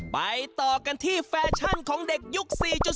ไปต่อกันที่แฟชั่นของเด็กยุค๔๐